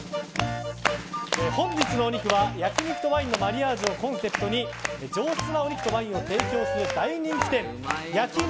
本日のお肉は焼き肉とワインのマリアージュをコンセプトに上質なお肉とワインを提供する大人気店焼肉